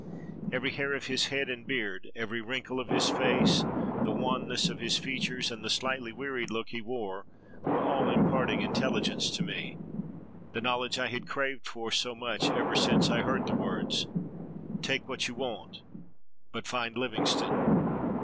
Every hair of his head and beard, every wrinkle of his face, the wanness of his features, and the slightly wearied look he wore, were all imparting intelligence to me — the knowledge I had craved for so much ever since I heard the words, "Take what you want, but find Livingstone.